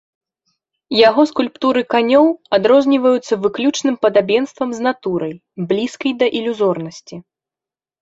Яго скульптуры канёў адрозніваюцца выключным падабенствам з натурай, блізкай да ілюзорнасці.